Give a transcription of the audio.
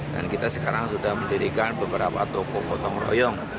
dan kita sekarang sudah mendirikan beberapa toko kotong royong